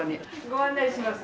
ご案内します。